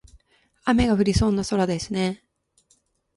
雨が降りそうな空ですね。